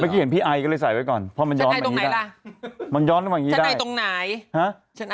เมื่อกี้เห็นพี่ไอก็เลยใส่ไว้ก่อนเพราะมันย้อนตรงไหนล่ะมันย้อนตรงไหนได้ชันไอตรงไหน